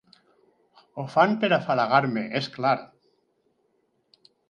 Ho fan per afalagar-me, és clar.